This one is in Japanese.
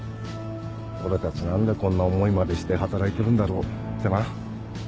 俺たち何でこんな思いまでして働いてるんだろうってな